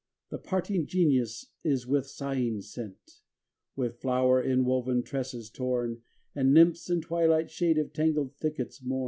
The parting Genius is with sighing sent; With flower inwoven tresses torn The Nymphs in twilight shade of tangled thickets mourn.